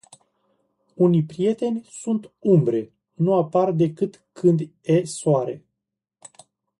Unii prieteni sunt umbre, nu apar decât când e Soare.